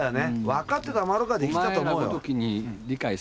分かってたまるかで生きたと思うよ。